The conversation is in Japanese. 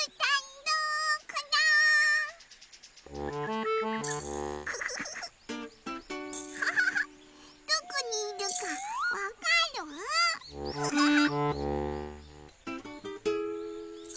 どこにいるかわかる？